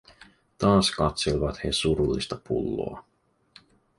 Taas katselivat he surullista pulloa.